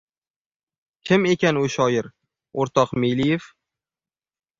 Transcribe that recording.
— Kim ekan u shoir, o‘rtoq Meliyev?